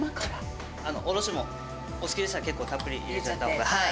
おろしもお好きでしたら結構たっぷり入れちゃった方が。